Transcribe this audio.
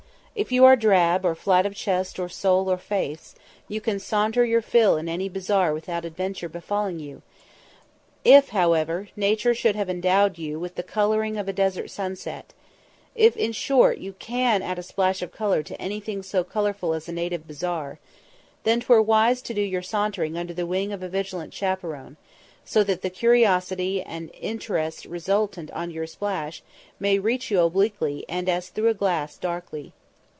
If you are drab or flat of chest or soul or face, you can saunter your fill in any bazaar without adventure befalling you; if, however, nature should have endowed you with the colouring of a desert sunset, if, in short, you can add a splash of colour to anything so colourful as a native bazaar, then 'twere wise to do your sauntering under the wing of a vigilant chaperon, so that the curiosity and interest resultant on your splash may reach you obliquely and "as through a glass, darkly."